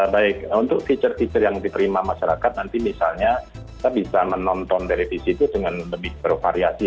baik untuk fitur fitur yang diterima masyarakat nanti misalnya kita bisa menonton televisi itu dengan lebih bervariasi